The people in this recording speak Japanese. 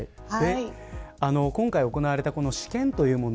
今回、行われた試験というもの